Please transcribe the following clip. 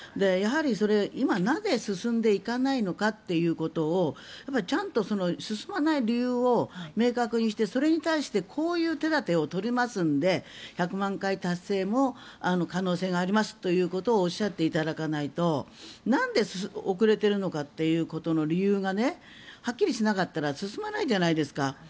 やはり今、なぜ進んでいかないのかということをちゃんと進まない理由を明確にしてそれに対してこういう手立てを取りますので１００万回達成も可能性がありますということをおっしゃっていただかないとなんで遅れているのかということの理由がはっきりしなかったら進まないじゃないですか。